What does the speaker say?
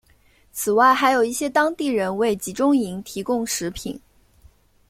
此外还有一些当地人为集中营提供食品。